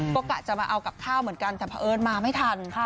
ก็กะจะมาเอากับข้าวเหมือนกันแต่เพราะเอิ้นมาไม่ทัน